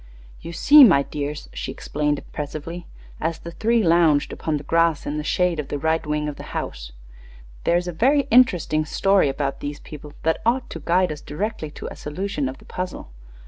"You see, my dears," she explained, impressively, as the three lounged upon the grass in the shade of the right wing of the house, "there is a very interesting story about these people that ought to guide us directly to a solution of the puzzle.